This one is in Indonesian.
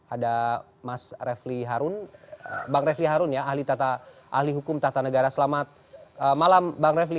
ada mas refli harun bang refli harun ya ahli hukum tata negara selamat malam bang refli